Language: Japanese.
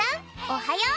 おはよう！